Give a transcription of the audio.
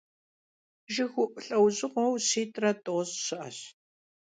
ЖыгыуIу лIэужьыгъуэу щитIрэ тIощI щыIэщ.